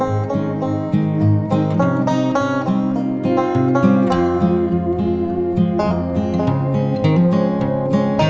ah ya terserah